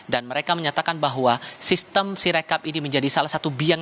dan mereka menyatakan bahwa sistem sirekap ini menjadi salah satu biang